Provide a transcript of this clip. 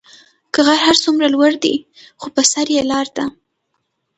كه غر هر سومره لور دي خو به سر ئ لار دي.